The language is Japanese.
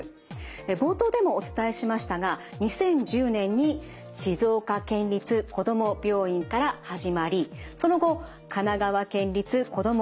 冒頭でもお伝えしましたが２０１０年に静岡県立こども病院から始まりその後神奈川県立こども